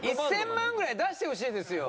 １０００万ぐらい出してほしいですよ。